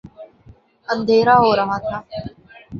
اندھیرا ہو رہا تھا۔